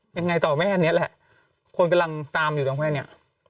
ยังไงต่อแม่อันนี้แหละคนกำลังตามอยู่ตรงแม่เนี่ย